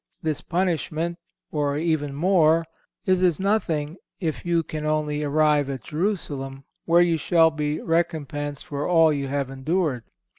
This punishment, or even more, is as nothing if you can only arrive at Jerusalem, where you shall be recompensed for all you have endured.